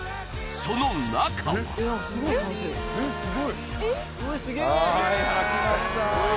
その中ははーい開きました